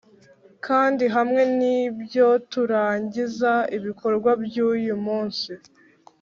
kandi hamwe nibyo turangiza ibikorwa byuyu munsi.